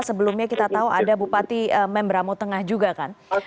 sebelumnya kita tahu ada bupati membramo tengah juga kan